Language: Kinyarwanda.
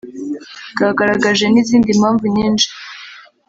bwagaragaje n’izindi mpamvu nyinshi